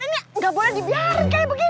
ini gak boleh dibiarin kayak begini